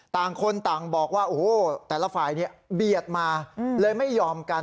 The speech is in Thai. ต่างคนต่างบอกว่าโอ้โหแต่ละฝ่ายเนี่ยเบียดมาเลยไม่ยอมกัน